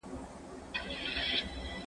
زه اجازه لرم چي کتابتون ته ولاړ سم!؟